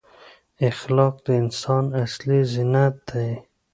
اخلاق د انسان اصلي زینت دی.